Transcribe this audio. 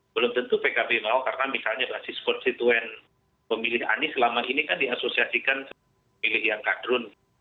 belum tentu pkb mau karena misalnya basis konstituen pemilih anies selama ini kan diasosiasikan pemilih yang kadrun